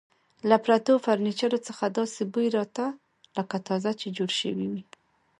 له پرتو فرنیچرو څخه داسې بوی راته، لکه تازه چې جوړ شوي وي.